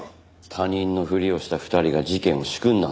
他人のふりをした２人が事件を仕組んだんですよ。